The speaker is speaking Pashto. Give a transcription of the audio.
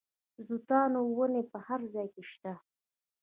د توتانو ونې په هر ځای کې شته.